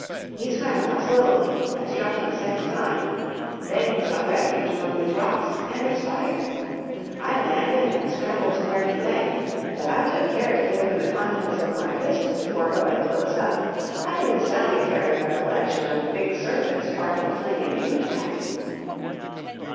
He swam more slowly, and I struck him a second time; then he sought refuge among these rocks, and expired. I landed, and scrambled to where he lay, but I took care to give him the contents of my pistol before going close up, having a salutary recollection of the big serpent's parting fling at you, Jack."